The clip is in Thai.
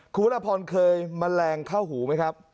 คุณวรพรเคยแมลงเข้าหูไหมครับ